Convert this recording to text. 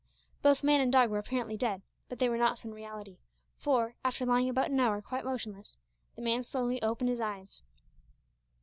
Both man and dog were apparently dead, but they were not so in reality, for, after lying about an hour quite motionless, the man slowly opened his eyes.